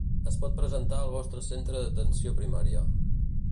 Es pot presentar al vostre centre d'atenció primària.